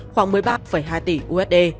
khoảng một mươi ba hai tỷ usd